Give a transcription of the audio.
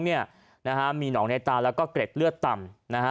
มีหน่องในตาและเกร็ดเลือดต่ำ